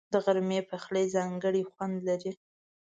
د غرمې پخلی ځانګړی خوند لري